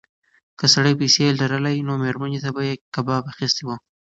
که سړي پیسې لرلای نو مېرمنې ته به یې کباب اخیستی و.